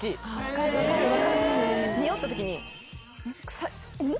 におったときに。